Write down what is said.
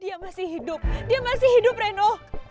dia masih hidup dia masih hidup reno